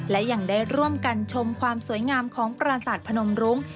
และยังได้ร่วมกันชมความสวยงามของปราศาสตร์พนมรุ้ง